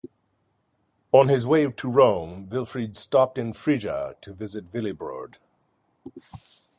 On his way to Rome Wilfrid stopped in Frisia to visit Willibrord.